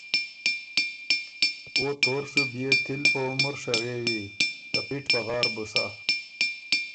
او تور سُو بيې تِل په عمر شرېوی، ته پِټ پغار بُو سَۀ،